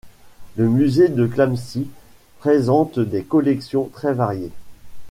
Le musée de Clamecy présente des collections très variées.